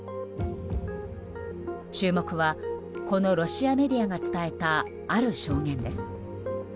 注目はこのロシアメディアが伝えた、ある証言です。